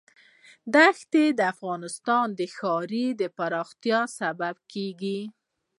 دښتې د افغانستان د ښاري پراختیا سبب کېږي.